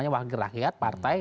wakil rakyat partai